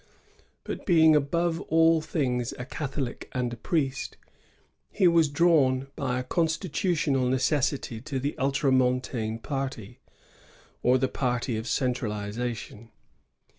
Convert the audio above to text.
But being above all things a Catholic and a priest, he was drawn by a constitutional neces sity to the ultramontane party, or the party of cen tralization.